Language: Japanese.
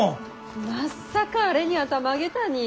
まっさかあれにはたまげたにい。